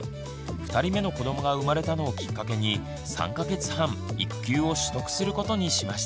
２人目の子どもが生まれたのをきっかけに３か月半育休を取得することにしました。